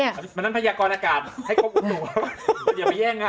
มันนั้นพยากรณ์อากาศให้ควบคุมหนูอย่าไปแย่งงาน